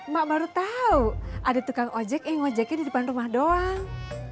mak baru tahu ada tukang ojek yang ngojeknya di depan rumah doang